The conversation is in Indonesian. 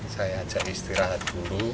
saya ajak istirahat dulu